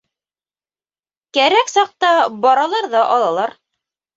Кәрәк саҡта баралар ҙа алалар.